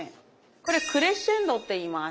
これクレッシェンドって言います。